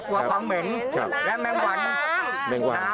กลัวคล้องเหม็นและแม่งวันน้ำ